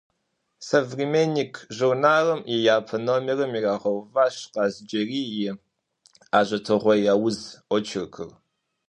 «Современник» журналым и япэ номерым ирагъэуващ Къаз-Джэрий и «Ажэтыгъуей ауз» очеркыр.